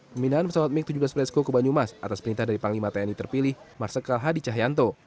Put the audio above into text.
pemindahan pesawat mig tujuh belas fresco ke banyumas atas perintah dari panglima tni terpilih marsikal hadi cahyanto